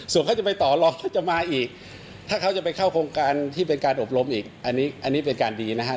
ส่วนเขาจะไปต่อรองเขาจะมาอีกถ้าเขาจะไปเข้าโครงการที่เป็นการอบรมอีกอันนี้อันนี้เป็นการดีนะครับ